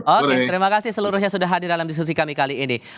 oke terima kasih seluruhnya sudah hadir dalam diskusi kami kali ini